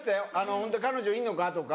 ホントに彼女いんのか？とか。